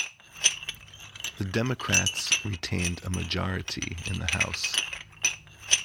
The Democrats retained a majority in the House.